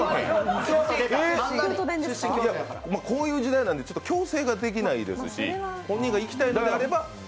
こういう時代なので強制はできないですし本人が行きたいのであれば。